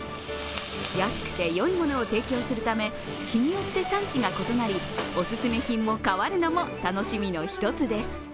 安くてよいものを提供するため日によって産地が異なりお勧め品も変わるのも楽しみの一つです。